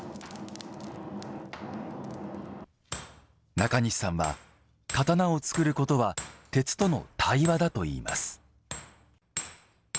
中西さんは、刀を作ることは鉄との対話だと言います。